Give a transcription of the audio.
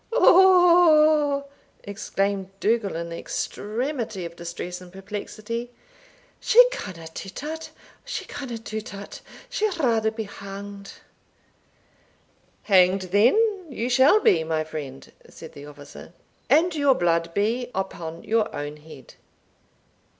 oigh!" exclaimed Dougal, in the extremity of distress and perplexity; "she canna do tat she canna do tat; she'll rather be hanged." "Hanged, then, you shall be, my friend" said the officer; "and your blood be upon your own head.